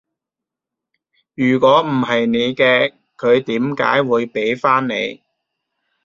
如果唔係你嘅，佢點解會畀返你？